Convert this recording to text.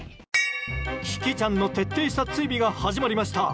キキちゃんの徹底した追尾が始まりました！